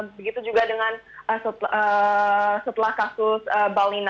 begitu juga dengan setelah kasus bali sembilan